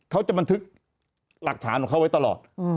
เขาจะบันทึกหลักฐานของเขาไว้ตลอด